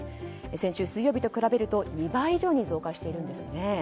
先週水曜日と比べると２倍以上に増加しているんですね。